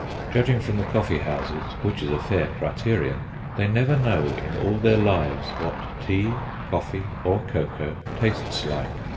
Judging from the coffee houses, which is a fair criterion, they never know in all their lives what tea, coffee, or cocoa tastes like.